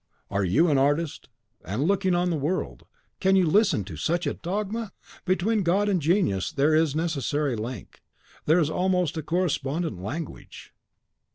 "Are you an artist, and, looking on the world, can you listen to such a dogma? Between God and genius there is a necessary link, there is almost a correspondent language.